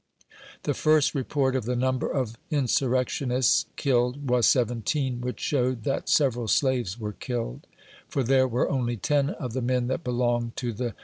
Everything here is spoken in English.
THE BEHAVIOR OF THE SLAVES. 61 The first report of the number of " insurrectionists " killed was seventeen, which showed that several slaves were killed ; for there were only ten of the men that belonged to the.